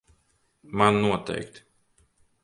Man noteikti.